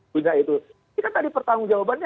punya itu kita tadi pertanggung jawabannya